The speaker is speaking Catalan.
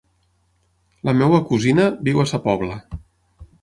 La meva cosina viu a Sa Pobla.